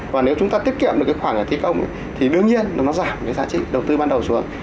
và nếu chúng ta tiết kiệm được cái khoảng ở thi công thì đương nhiên nó giảm cái giá trị đầu tư ban đầu xuống